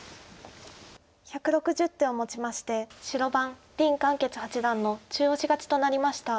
１６０手をもちまして白番林漢傑八段の中押し勝ちとなりました。